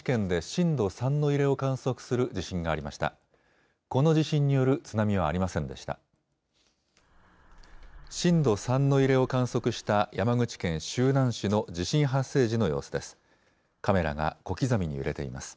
震度３の揺れを観測した山口県周南市の地震発生時の様子です。